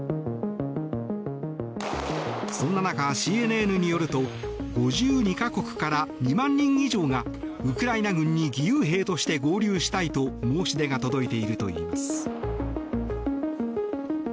そんな中、ＣＮＮによると５２か国から２万人以上がウクライナ軍に義勇兵として合流したいと申し出が届いているといいます。